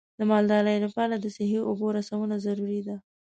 د مالدارۍ لپاره د صحي اوبو رسونه ضروري ده.